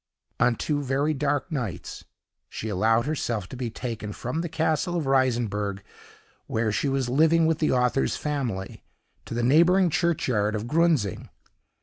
On two very dark nights she allowed herself to be taken from the castle of Reisenberg, where she was living with the author's family, to the neighboring churchyard of Grunzing.